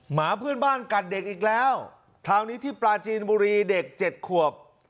หมาเพื่อนบ้านกัดเด็กอีกแล้วคราวนี้ที่ปลาจีนบุรีเด็กเจ็ดขวบ